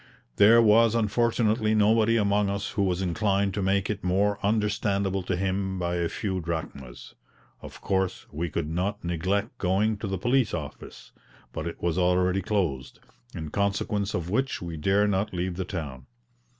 There was unfortunately nobody among us who was inclined to make it more understandable to him by a few drachmas. Of course we could not neglect going to the police office; but it was already closed, in consequence of which we dare not leave the town.